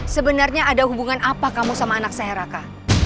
sebenarnya ada hubungan apa kamu sama anak saya raka